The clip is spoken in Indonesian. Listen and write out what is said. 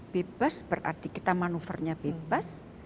bebas berarti kita manuvernya bebas